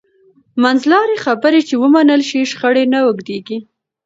منځلارې خبرې چې ومنل شي، شخړې نه اوږدېږي.